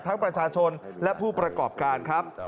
ประชาชนและผู้ประกอบการครับ